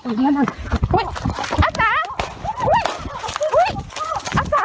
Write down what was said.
โอ้โหยังไม่มีปัญหานี่โอ้โหนี่มันมีปัญหานี่